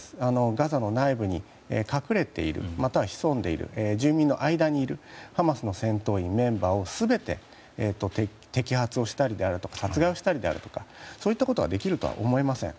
ガザの内部に隠れているまたは潜んでいる住民の間にいるハマスの戦闘員やメンバーを全て摘発したり殺害したりであるとかそういったことができるとは思えません。